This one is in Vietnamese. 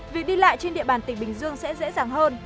việc đi lại trên địa bàn tỉnh bình dương sẽ dễ dàng hơn